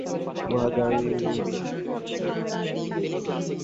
অবশেষে সে যখন আবিষ্কার করিল, উহা দড়ি, তখন সব বিকার চলিয়া গেল।